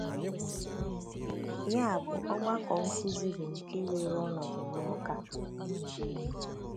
Ya bụ ọgbakọ nkuzi bụ nke weere ọnọdụ n'Awka